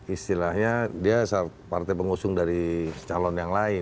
istilahnya dia partai pengusung dari calon yang lain